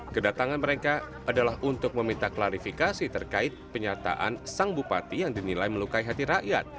kedatangan mereka adalah untuk meminta klarifikasi terkait penyataan sang bupati yang dinilai melukai hati rakyat